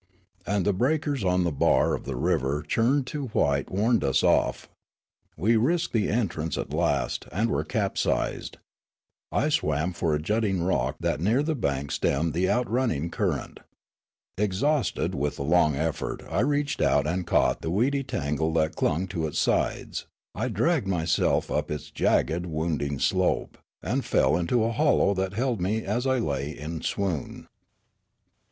And the breakers on the bar of the river churned to white warned us off. We risked the entrance at last, and were capsized. I swam for a jutting rock that near the bank stemmed the outrunning current. Exhausted with the long effort I reached out and caught the weedy tangle that clung to its sides ; I dragged myself up its jagged, wounding .slope, and fell into a hollow that held me as I lay in swoon.